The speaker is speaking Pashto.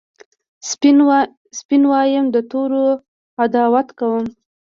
سپین وایم د تورو عداوت کوم